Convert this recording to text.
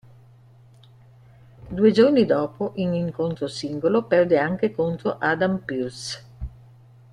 Due giorni dopo, in incontro singolo, perde anche contro Adam Pearce.